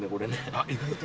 あっ意外と。